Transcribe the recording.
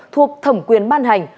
thuộc thẩm quyền ban hành